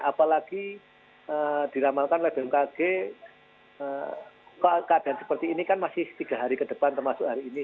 apalagi diramalkan oleh bmkg keadaan seperti ini kan masih tiga hari ke depan termasuk hari ini